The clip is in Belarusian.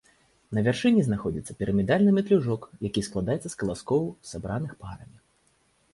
На вяршыні знаходзіцца пірамідальны метлюжок, які складаецца з каласкоў, сабраных парамі.